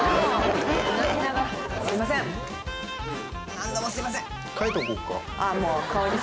何度もすいません。